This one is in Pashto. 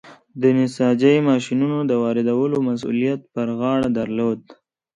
د نساجۍ ماشینونو د واردولو مسوولیت پر غاړه درلود.